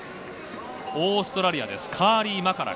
オーストラリアです。